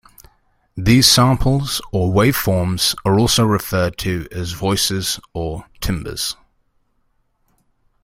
These samples or waveforms are also referred to as voices or timbres.